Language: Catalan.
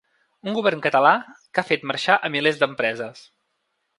Un govern català que ha fet marxar a milers d’empreses.